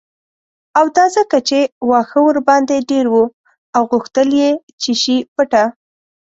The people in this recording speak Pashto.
او دا ځکه چې واښه ورباندې ډیر و او غوښتل یې چې شي پټه